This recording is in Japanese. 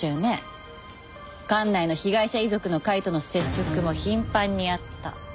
管内の被害者遺族の会との接触も頻繁にあった。